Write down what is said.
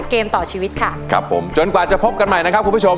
เกมต่อชีวิตค่ะครับผมจนกว่าจะพบกันใหม่นะครับคุณผู้ชม